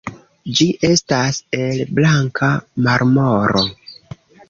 Ĝi estas el blanka marmoro.